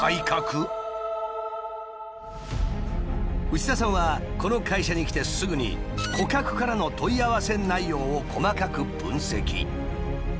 内田さんはこの会社に来てすぐに顧客からの問い合わせ内容を細かく分析。